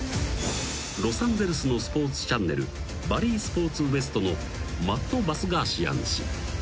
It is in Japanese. ［ロサンゼルスのスポーツチャンネルバリー・スポーツ・ウェストのマット・バスガーシアン氏］